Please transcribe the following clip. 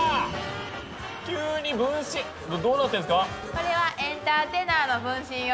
これはエンターテナーの分身よ。